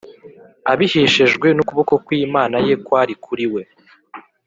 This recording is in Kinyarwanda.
abiheshejwe n ukuboko kw Imana ye kwari kuri we